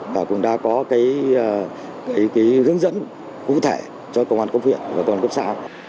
và cũng đã có hướng dẫn cụ thể cho công an cấp viện và công an cấp xã